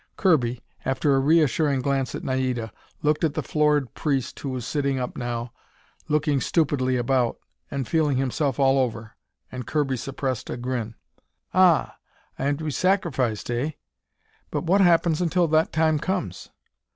Kirby, after a reassuring glance at Naida, looked at the floored priest who was sitting up now, looking stupidly about, and feeling himself all over, and Kirby suppressed a grin. "Ah, I am to be sacrificed, eh? But what happens until that time comes?